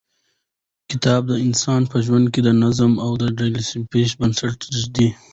کتاب د انسان په ژوند کې د نظم او ډیسپلین بنسټ ږدي.